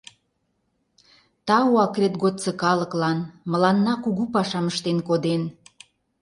Тау акрет годсо калыклан, мыланна кугу пашам ыштен коден.